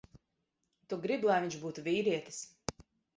Tu gribi, lai viņš būtu vīrietis.